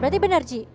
berarti benar ji